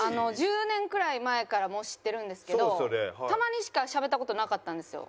１０年くらい前からもう知ってるんですけどたまにしかしゃべった事なかったんですよ。